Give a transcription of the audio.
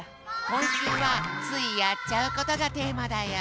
こんしゅうは「ついやっちゃうこと」がテーマだよ。